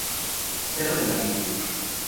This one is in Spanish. Cerro de la Virgen.